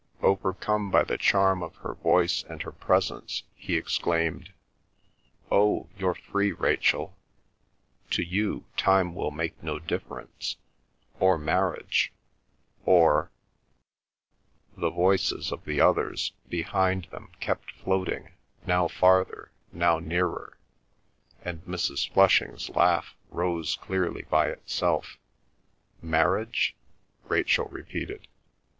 Overcome by the charm of her voice and her presence, he exclaimed, "Oh, you're free, Rachel. To you, time will make no difference, or marriage or—" The voices of the others behind them kept floating, now farther, now nearer, and Mrs. Flushing's laugh rose clearly by itself. "Marriage?" Rachel repeated.